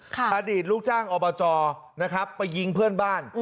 อดีตลูกจ้างอบจนะครับไปยิงเพื่อนบ้าน